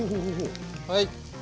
はい。